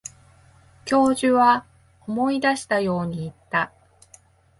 教授は思い出したように言った。